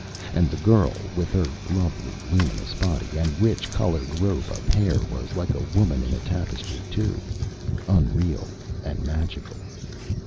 And the girl, with her lovely, luminous body and richly colored robe of hair was like a woman in a tapestry too, unreal and magical.